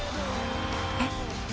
えっ？